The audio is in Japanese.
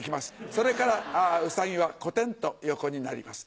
それからウサギはコテンと横になります。